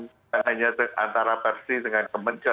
tidak hanya antara versi dengan kmnk